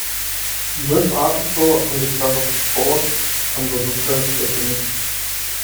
This article only covers ports under the first definition.